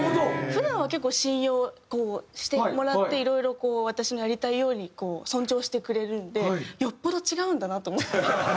普段は結構信用してもらっていろいろ私のやりたいように尊重してくれるんでよっぽど違うんだなと思って。